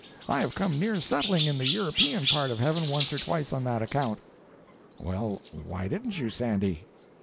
I have come near settling in the European part of heaven once or twice on that account." "Well, why didn't you, Sandy?"